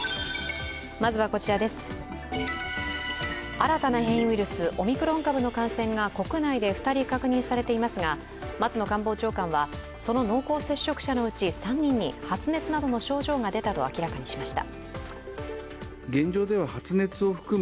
新たな変異ウイルス、オミクロン株の感染が国内で２人確認されていますが、松野官房長官は、その濃厚接触者のうち３人に発熱などの症状が出たと明らかにしました。